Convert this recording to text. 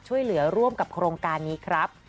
ช่วยเหลือร่วมกับโครงการนี้ครับ